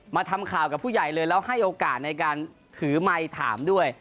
มาทำข่าวกับผู้ใหญ่เลยแล้วให้โอกาสในการถือไมค์ถามด้วย